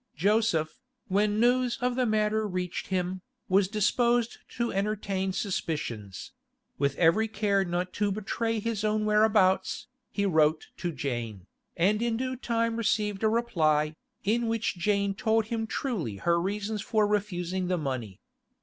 Joseph, when news of the matter reached him, was disposed to entertain suspicions; with every care not to betray his own whereabouts, he wrote to Jane, and in due time received a reply, in which Jane told him truly her reasons for refusing the money.